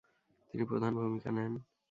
তিনি প্রধান ভূমিকা নেন।